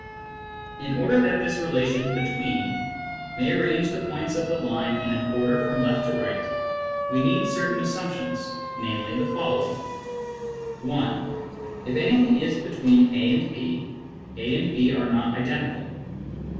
In order that this relation " between " may arrange the points of the line in an order from left to right, we need certain assump tions, namely, the following :— (1) If anything is between a and b, a and b are not identical.